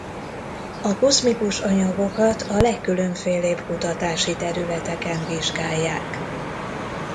A kozmikus anyagokat a legkülönfélébb kutatási területeken vizsgálják.